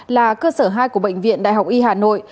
là cơ sở hai của bệnh viện đại học y hà nội